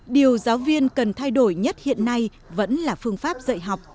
điều giáo viên cần thay đổi nhất hiện nay vẫn là phương pháp dạy học